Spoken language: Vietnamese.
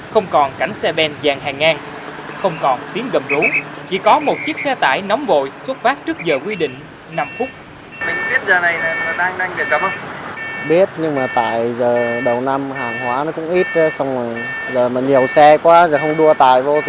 không còn cảnh xe bên dàn hàng ngang không còn tiếng gầm rú chỉ có một chiếc xe tải nóng vội xuất phát trước giờ quy định năm phút